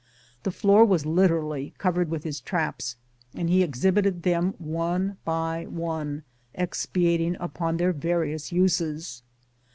The floor was literally covered with his traps, and he exhibited them one by one, expatiating upon their various uses.